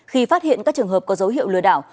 khi phát hiện các trường hợp có dấu hiệu lừa đảo